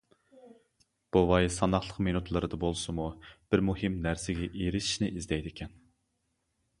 بوۋاي ساناقلىق مىنۇتلىرىدا بولسىمۇ بىر مۇھىم نەرسىگە ئېرىشىشنى ئىزدەيدىكەن.